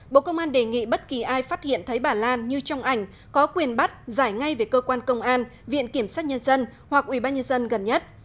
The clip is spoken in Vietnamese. bộ công an đề nghị bất kỳ ai phát hiện thấy bà lan như trong ảnh có quyền bắt giải ngay về cơ quan công an viện kiểm sát nhân dân hoặc ủy ban nhân dân gần nhất